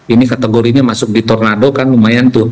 ini kategorinya masuk di tornado kan lumayan tuh